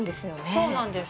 そうなんです。